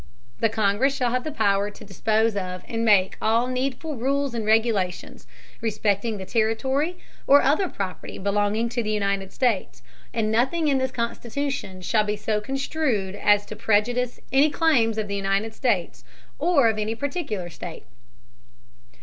The Congress shall have Power to dispose of and make all needful Rules and Regulations respecting the Territory or other Property belonging to the United States; and nothing in this Constitution shall be so construed as to Prejudice any Claims of the United States, or of any particular State.